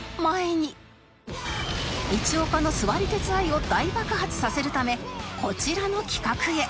一岡の座り鉄愛を大爆発させるためこちらの企画へ